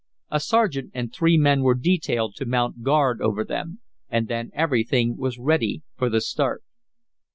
A sergeant and three men were detailed to mount guard over them, and then everything was ready for the start.